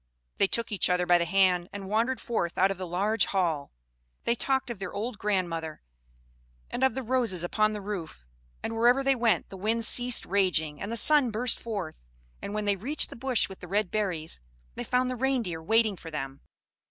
They took each other by the hand, and wandered forth out of the large hall; they talked of their old grandmother, and of the roses upon the roof; and wherever they went, the winds ceased raging, and the sun burst forth. And when they reached the bush with the red berries, they found the Reindeer waiting for them.